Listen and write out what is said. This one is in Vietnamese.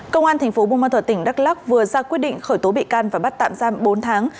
công an tp bùn ma thuật tỉnh đắk lắc vừa ra quyết định khởi tố bị can và bắt tạm giam bốn tháng